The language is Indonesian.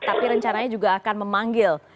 tapi rencananya juga akan memanggil